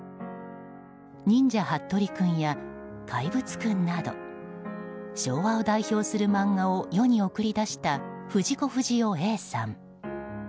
「忍者ハットリくん」や「怪物くん」など昭和を代表する漫画を世に送り出した藤子不二雄Ａさん。